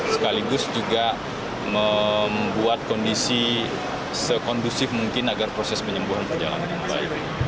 sekaligus juga membuat kondisi sekondusif mungkin agar proses penyembuhan berjalan dengan baik